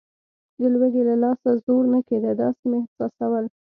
د لوږې له لاسه زور نه کېده، داسې مې احساسول.